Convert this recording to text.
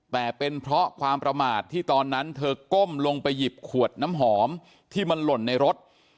แต่เป็นเพราะความประมาทที่ตอนนั้นเธอก้มลงไปหยิบขวดน้ำหอมที่มันหล่นในรถ